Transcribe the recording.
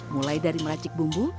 mulai dari meracik bumbu